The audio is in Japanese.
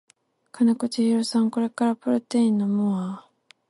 金子千尋さんこれからプロテイン飲むわ